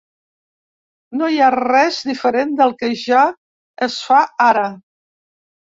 No hi ha res diferent del que ja es fa ara.